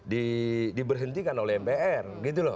diberhentikan oleh mpr gitu loh